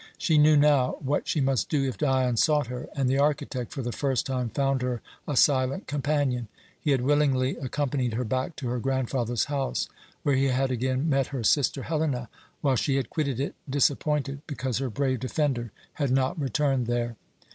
She knew now what she must do if Dion sought her, and the architect, for the first time, found her a silent companion. He had willingly accompanied her back to her grandfather's house, where he had again met her sister Helena, while she had quitted it disappointed, because her brave defender had not returned there.